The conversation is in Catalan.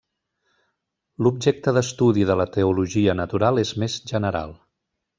L'objecte d'estudi de la teologia natural és més general.